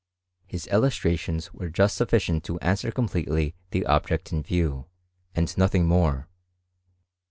His illustrations were just suf ficient to answer completely the object in view, and nothing more.